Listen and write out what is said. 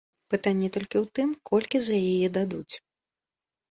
Пытанне толькі ў тым, колькі за яе дадуць.